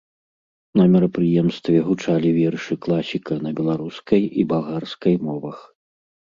На мерапрыемстве гучалі вершы класіка на беларускай і балгарскай мовах.